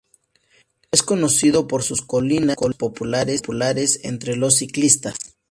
Es conocido por sus colinas, populares entre los ciclistas.